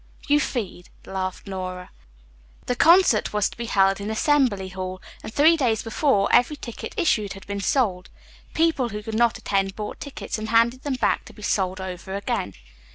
"You feed," laughed Nora. The concert was to be held in Assembly Hall, and three days before every ticket issued had been sold. People who could not attend bought tickets and handed them back to be sold over again.